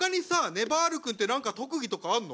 ねばる君って何か特技とかあんの？